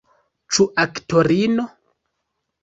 Ĉu aktorino?